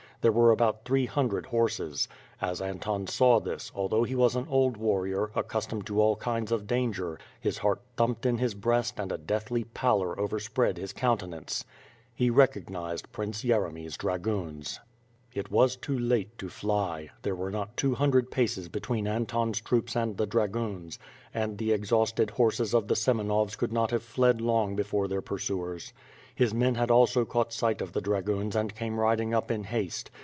There were about three hundred horses. As Anton saw this, although he was an old warrior, accustomed to all kinds of danger, his heart thumped in liis breast and a deathly pallor overspread his countenance. He recognized Prince Ycremy's dragoons. It was too late to fly. There were not two hundred paces between Anton's troops and the dragoons, and the exhaus ted horses of the Semenovs could not have fled long before their pursuers. His men had also caught sight of the dragoons and came riding up in haste.